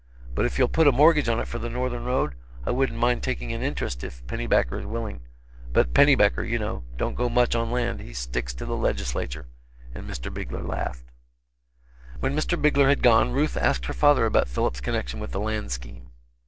But if you'll put a mortgage on it for the northern road, I wouldn't mind taking an interest, if Pennybacker is willing; but Pennybacker, you know, don't go much on land, he sticks to the legislature." And Mr. Bigler laughed. When Mr. Bigler had gone, Ruth asked her father about Philip's connection with the land scheme.